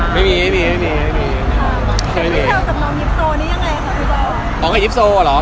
ซีมีแฟนรึเปล่าครับ